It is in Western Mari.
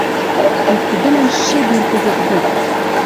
Вет тӹдӹлӓн шӹгер кӹзӹт вӹд.